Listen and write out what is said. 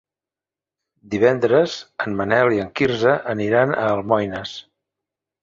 Divendres en Manel i en Quirze aniran a Almoines.